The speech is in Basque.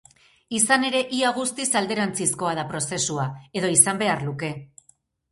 Izan ere, ia guztiz alderantzizkoa da prozesua, edo izan behar luke.